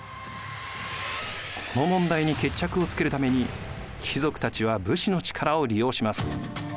この問題に決着をつけるために貴族たちは武士の力を利用します。